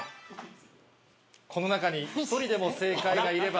この中に１人でも正解がいれば。